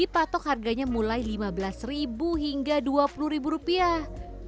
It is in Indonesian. satok harganya mulai lima belas hingga dua puluh rupiah